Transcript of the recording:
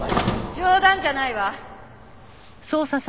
冗談じゃないわ！